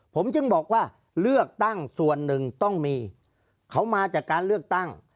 ผมจึงบอกว่าเลือกตั้งส่วนหนึ่งต้องมีเขามาจากการเลือกตั้ง